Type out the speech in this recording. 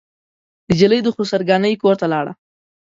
نجلۍ د خسر ګنې کورته لاړه.